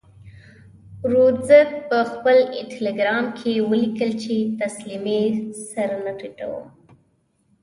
رودز په خپل ټیلګرام کې ولیکل چې تسلیمۍ سر نه ټیټوم.